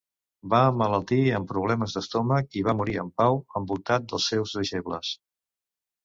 Va emmalaltir amb problemes d'estómac i va morir en pau, envoltat dels seus deixebles.